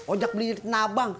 ojak beli di tanabang